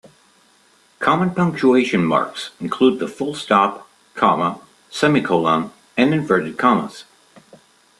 Common punctuation marks include the full stop, comma, semicolon, and inverted commas